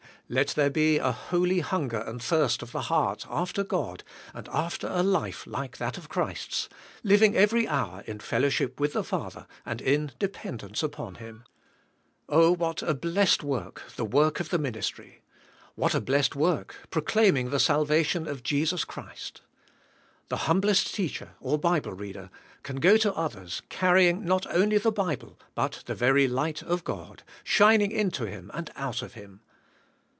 Let there be a holy hunger and thirst of the heart after God and after a life like that of Christ's, living every hour in fellowship with the Father, and in dependence upon Him. Oh ! what a blessed work 164 THK SPIRITUAI, I,IFK. the work of the ministry. What a blessed work, proclaiming" the salvation of Jesus Christ. The humblest teacher or Bible reader can g o to others, carrying not only the Bible, but the very light of God, shining into him and out of him.